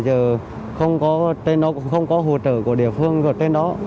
giờ không có hỗ trợ của địa phương ở trên đó